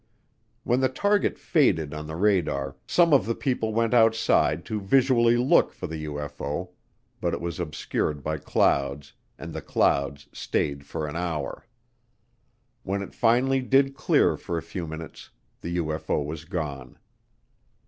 When the target faded on the radar, some of the people went outside to visually look for the UFO, but it was obscured by clouds, and the clouds stayed for an hour. When it finally did clear for a few minutes, the UFO was gone.